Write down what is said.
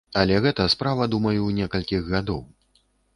Але гэта справа, думаю, некалькіх гадоў.